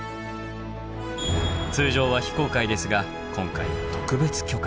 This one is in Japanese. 通常は非公開ですが今回は特別許可が。